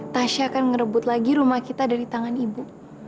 tasha akan ngerebut lagi rumah kita dari tangan ibu